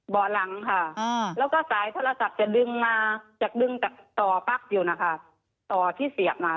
เบาะหลังค่ะแล้วก็สายโทรศัพท์จะดึงมาจากดึงจากต่อปั๊กอยู่นะคะต่อที่เสียบมา